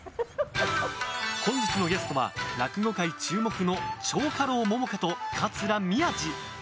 本日のゲストは落語界注目の蝶花楼桃花と桂宮治。